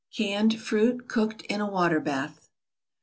CANNED FRUIT COOKED IN A WATER BATH.